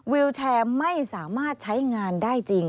วิวแชร์ไม่สามารถใช้งานได้จริง